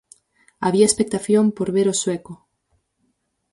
Había expectación por ver ao sueco.